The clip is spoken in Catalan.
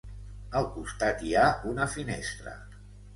Al costat hi ha una finestra.